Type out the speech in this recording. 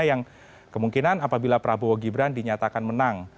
yang kemungkinan apabila prabowo gibran dinyatakan menang